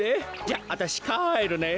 じゃああたしかえるね。